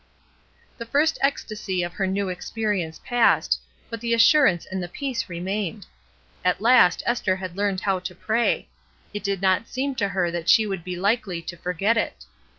The first ecstasy of her new experience passed, but the assurance and the peace remained. At last Esther had learned how to pray; it did not seem to her that she would be likely to forget it.